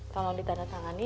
tolong ditanda tangani